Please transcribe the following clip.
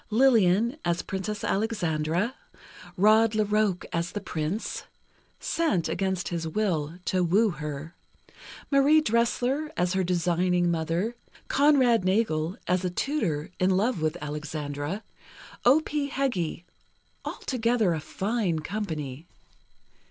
Lillian, as Princess Alexandra; Rod La Roque, as the Prince (sent, against his will, to woo her); Marie Dressler, as her designing mother; Conrad Nagel, as a tutor, in love with Alexandra; O. P. Heggie—altogether a fine company.